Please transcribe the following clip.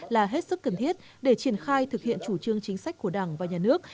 là hết sức cần thiết để triển khai thực hiện chủ trương chính sách của đảng và nhà nước